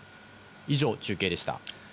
以上、中継でした。